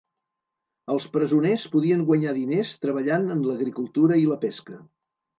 Els presoners podien guanyar diners treballant en l'agricultura i la pesca.